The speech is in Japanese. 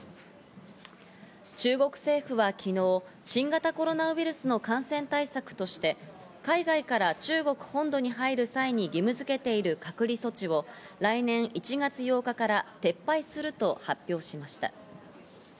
中国政府は昨日、新型コロナウイルスの感染対策として海外から中国本土に入る際に義務づけている隔離措置を来年１月８日から撤廃すると発表しました。